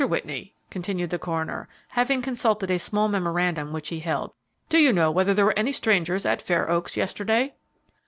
Whitney," continued the coroner, having consulted a small memorandum which he held, "do you know whether there were any strangers at Fair Oaks yesterday?"